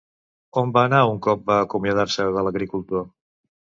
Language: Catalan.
On va anar un cop va acomiadar-se de l'agricultor?